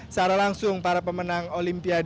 secara langsung para pemenang olimpiade dua ribu enam belas